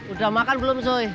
udah makan belum suy